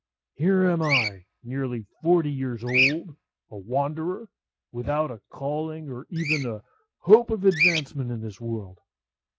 Here am I, nearly forty years old, a wanderer, without a calling, or even a hope of advancement in the world.